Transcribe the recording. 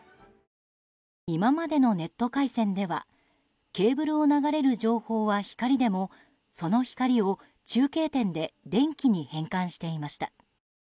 今までのネット回線ではケーブルを流れる情報は光でもその光を中継点で電気に変換していました。